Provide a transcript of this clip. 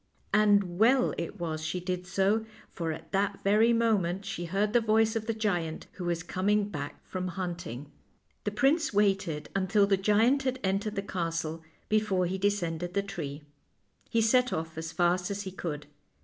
And well it w r as she did so, for at that very moment she heard the voice of the giant, who was coming back from hunting. The prince waited until the giant had entered the castle before he descended the tree. He set off as fast as he could.